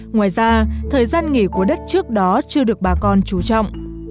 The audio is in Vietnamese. ngoài ra thời gian nghỉ của đất trước đó chưa được bà con trú trọng